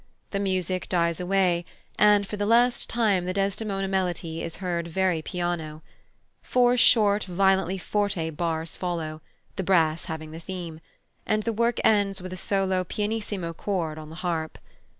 The music dies away, and for the last time the Desdemona melody is heard very piano. Four short, violently forte bars follow (the brass having the theme), and the work ends with a solo pianissimo chord on the harp.